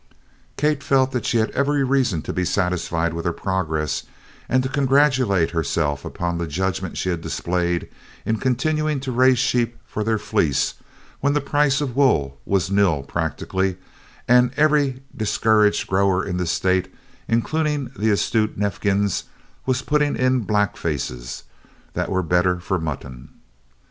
Kate felt that she had every reason to be satisfied with her progress and to congratulate herself upon the judgment she had displayed in continuing to raise sheep for their fleece when the price of wool was nil, practically, and every discouraged grower in the state, including the astute Neifkins, was putting in "black faces" that were better for mutton.